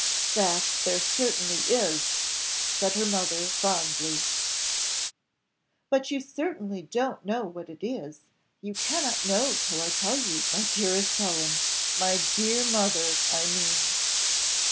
"That there certainly is," said her mother, fondly. "But you certainly don't know what it is you cannot know till I tell you, my dearest Helen my dear mother, I mean.